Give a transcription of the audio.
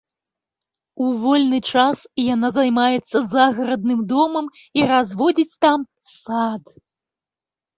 У вольны час яна займаецца загарадным домам і разводзіць там сад.